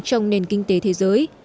trong nền kinh tế thế giới